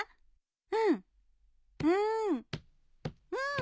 うんうんうん。